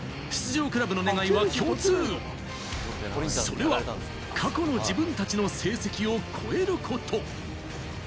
出場クラブの願いは共通、それは過去の自分たちの成績を超えること。